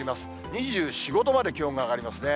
２４、５度まで気温が上がりますね。